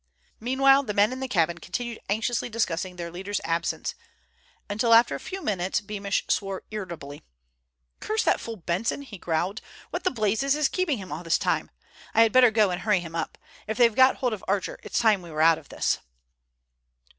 Meanwhile the men in the cabin continued anxiously discussing their leader's absence, until after a few minutes Beamish swore irritably. "Curse that fool Benson," he growled. "What the blazes is keeping him all this time? I had better go and hurry him up. If they've got hold of Archer, it's time we were out of this."